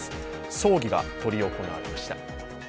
葬儀が執り行われました。